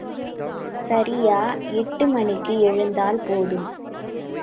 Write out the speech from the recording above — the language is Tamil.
சரியா எட்டு மணிக்கு எழுந்தால் போதும்.